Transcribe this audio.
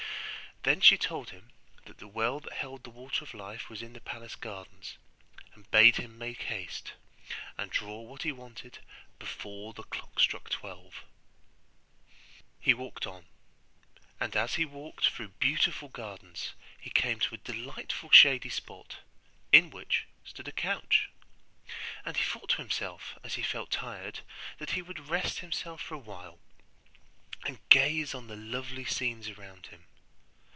Then she told him that the well that held the Water of Life was in the palace gardens; and bade him make haste, and draw what he wanted before the clock struck twelve. He walked on; and as he walked through beautiful gardens he came to a delightful shady spot in which stood a couch; and he thought to himself, as he felt tired, that he would rest himself for a while, and gaze on the lovely scenes around him.